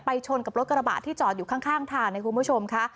ชนกับรถกระบะที่จอดอยู่ข้างทางนะคุณผู้ชมค่ะ